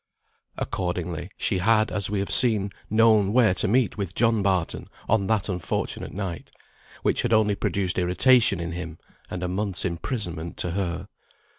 Accordingly, she had, as we have seen, known where to meet with John Barton on that unfortunate night, which had only produced irritation in him, and a month's imprisonment to her.